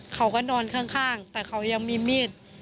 เขาก็นอนข้างแต่เขายังมีมีด